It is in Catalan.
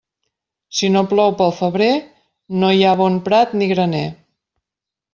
Si no plou pel febrer, no hi ha bon prat ni graner.